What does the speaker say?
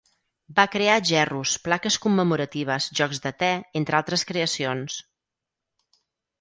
Va crear gerros, plaques commemoratives, jocs de te, entre altres creacions.